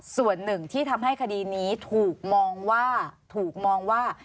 ส่วนหนึ่งที่ทำให้คดีนี้ถูกมองว่า